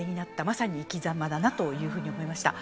まさに生きざまだと思いました。